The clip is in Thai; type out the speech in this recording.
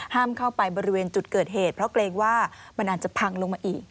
เข้าไปบริเวณจุดเกิดเหตุเพราะเกรงว่ามันอาจจะพังลงมาอีก